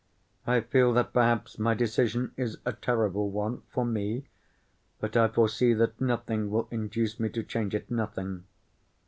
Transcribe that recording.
I feel that perhaps my decision is a terrible one—for me, but I foresee that nothing will induce me to change it—nothing.